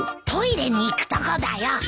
トイレに行くとこだよ。